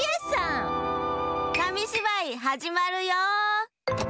かみしばいはじまるよ！